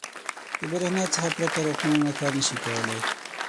• د برېښنا څخه پرته روغتونونه کار نه شي کولی.